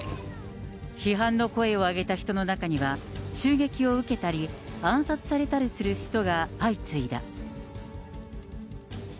批判の声を上げた人の中には、襲撃を受けたり、暗殺されたりする人が相次いだ。